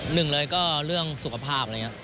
หนึ่งเลยก็เรื่องสุขภาพอะไรอย่างนี้